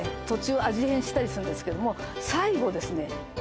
途中味変したりするんですけども最後ですね